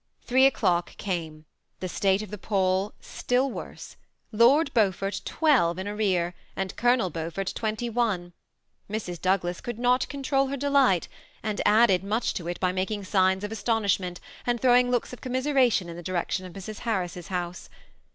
Three o'clock came. The state of th« poll still worse; Lord Beanfort twelve in arrear, and Colonel Beatdbrt twenty one. Mrs. Douglas could not control her de light, and added much to it, by making signs of aston ^ ishment, and throwing looks of commiseration in the direction of Mrs. Harris's house.